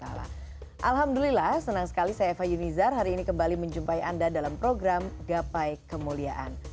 alhamdulillah senang sekali saya eva yunizar hari ini kembali menjumpai anda dalam program gapai kemuliaan